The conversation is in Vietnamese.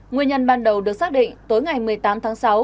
nguyên nhân ban đầu được xác định tối ngày một mươi tám tháng sáu